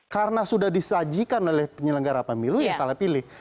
karena sudah disajikan oleh penyelenggara pemilu yang salah pilih